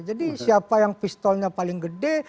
jadi siapa yang pistolnya paling gede